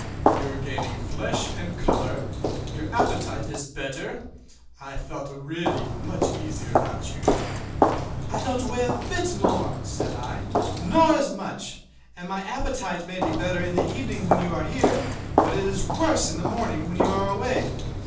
You are gaining flesh and color, your appetite is better. I feel really much easier about you." "I don't weigh a bit more," said I, "nor as much; and my appetite may be better in the evening, when you are here, but it is worse in the morning when you are away."